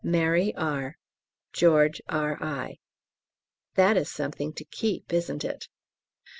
_ MARY R. GEORGE R.I." That is something to keep, isn't it?